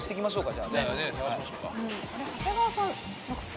じゃあね探しましょうか。